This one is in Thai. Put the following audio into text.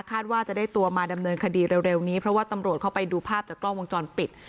ว่าจะได้ตัวมาดำเนินคดีเร็วนี้เพราะว่าตำรวจเข้าไปดูภาพจากกล้องวงจรปิด